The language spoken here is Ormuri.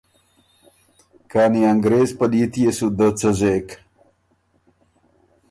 کانی انګرېز پلیت يې سو دۀ څۀ زېک؟